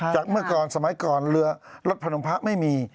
เมื่อก่อนสมัยก่อนเรือรถพนมพระไม่มี